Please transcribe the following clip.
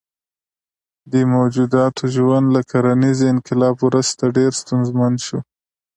دې موجوداتو ژوند له کرنیز انقلاب وروسته ډېر ستونزمن شو.